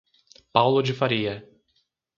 Paulo de Faria